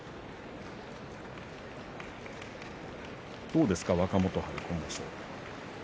どうですか若元春今場所。